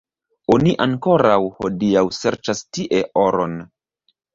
Oni ankoraŭ hodiaŭ serĉas tie oron.